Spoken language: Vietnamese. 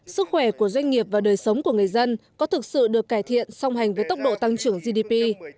sức khỏe của doanh nghiệp và đời sống của người dân có thực sự được cải thiện song hành với tốc độ tăng trưởng gdp